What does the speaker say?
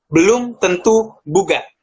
belum tentu bugar